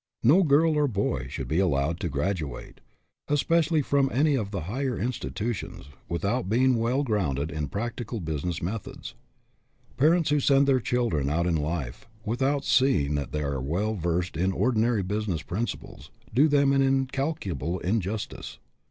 No girl or boy should be allowed to graduate, especially from any of the higher institutions, without being well grounded in practical business methods. Parents who send their children out in life, without seeing that they are well versed in ordinary business principles, do them an incalculable injustice.